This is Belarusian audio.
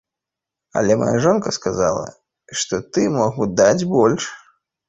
Але мая жонка сказала, што ты мог бы даць больш.